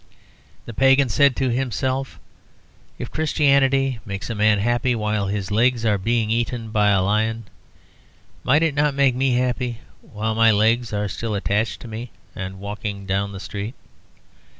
The Pagan said to himself: "If Christianity makes a man happy while his legs are being eaten by a lion, might it not make me happy while my legs are still attached to me and walking down the street?"